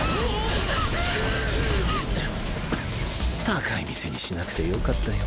高い店にしなくてよかったよ。